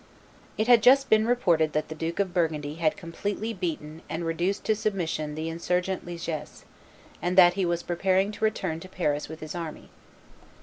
It had just been reported that the Duke of Burgundy had completely beaten and reduced to submission the insurgent Liegese, and that he was preparing to return to Paris with his army.